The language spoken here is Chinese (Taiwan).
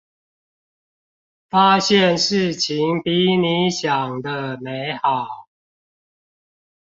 發現事情比你想的美好